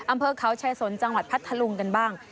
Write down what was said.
อำเภอเขาชายสนจังหวัดพัทธลุงกันบ้าง